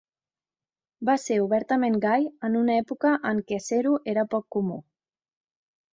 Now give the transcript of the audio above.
Va ser obertament gai en una època en què ser-ho era poc comú.